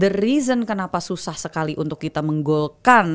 the reason kenapa susah sekali untuk kita menggolkang